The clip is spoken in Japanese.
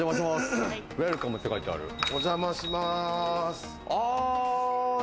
お邪魔します。